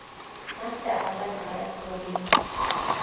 Nach der Arbeit war er groggi.